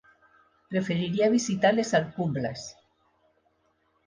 Preferiria visitar les Alcubles.